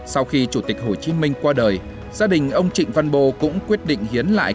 sau khi chủ tịch hồ chí minh qua đời gia đình ông trịnh văn bồ cũng quyết định hiến lại